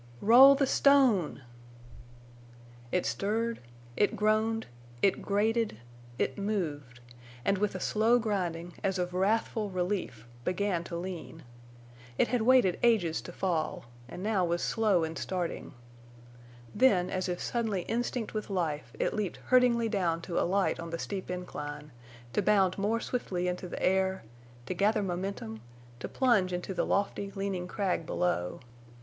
"ROLL THE STONE!" It stirred, it groaned, it grated, it moved, and with a slow grinding, as of wrathful relief, began to lean. It had waited ages to fall, and now was slow in starting. Then, as if suddenly instinct with life, it leaped hurtlingly down to alight on the steep incline, to bound more swiftly into the air, to gather momentum, to plunge into the lofty leaning crag below.